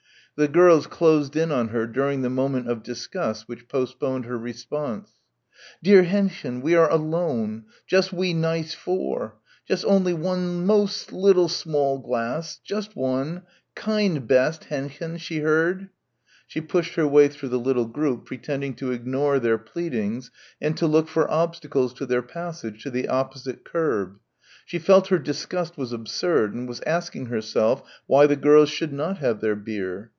The girls closed in on her during the moment of disgust which postponed her response. "Dear Hendchen! We are alone! Just we nice four! Just only one most little small glass! Just one! Kind best, Hendchen!" she heard. She pushed her way through the little group pretending to ignore their pleadings and to look for obstacles to their passage to the opposite curb. She felt her disgust was absurd and was asking herself why the girls should not have their beer.